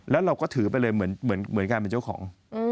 แล้วเราก็ถือไปเลยเหมือนการเป็นเจ้าของ